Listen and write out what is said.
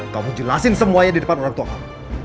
kamu jelasin semuanya di depan orang tua kamu